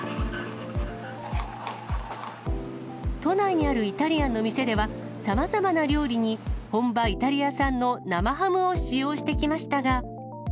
都内にあるイタリアンの店では、さまざまな料理に本場、イタリア産の生ハムを使用してきましたが。